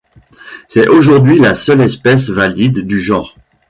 C'est aujourd'hui la seule espèce valide du genre.